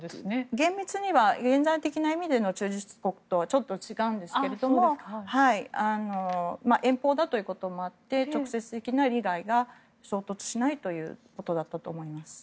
厳密には現在的な意味での中立国とはちょっと違うんですが遠方だということもあって直接的な利害が衝突しないということだったと思います。